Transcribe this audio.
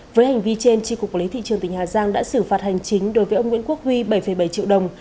với hành vi trên tri cục quản lý thị trường tỉnh hà giang đã xử phạt hành chính đối với ông nguyễn quốc huy bảy bảy triệu đồng